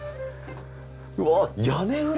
うわ屋根裏。